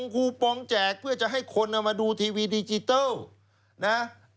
คูปองแจกเพื่อจะให้คนเอามาดูทีวีดิจิทัลนะ